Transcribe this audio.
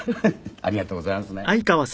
ありがとうございますね。